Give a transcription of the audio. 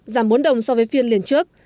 giảm bốn đồng so với phiên liền trước